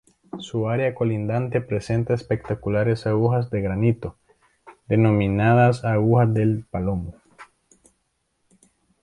Su área colindante presenta espectaculares agujas de granito, denominadas "Agujas del Palomo".